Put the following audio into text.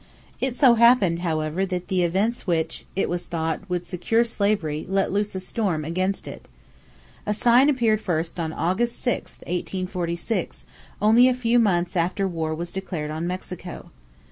It so happened, however, that the events which, it was thought, would secure slavery let loose a storm against it. A sign appeared first on August 6, 1846, only a few months after war was declared on Mexico.